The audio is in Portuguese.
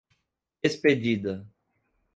Expedida